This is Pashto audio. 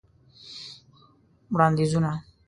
وړاندیزونه :